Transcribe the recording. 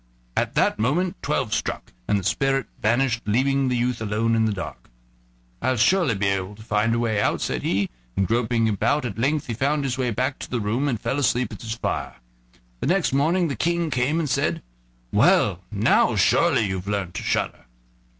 At that moment twelve struck, and the spirit vanished, leaving the youth alone in the dark. "I'll surely be able to find a way out," said he, and groping about he at length found his way back to the room, and fell asleep at his fire. The next morning the King came, and said: "Well, now you've surely learned to shudder?"